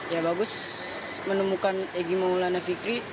ya bagus menemukan egy maulana fikri